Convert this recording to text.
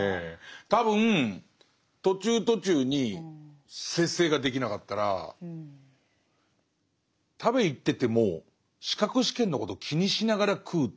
多分途中途中に節制ができなかったら食べに行ってても資格試験のことを気にしながら食うっていう